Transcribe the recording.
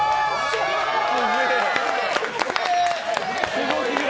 すごすぎる！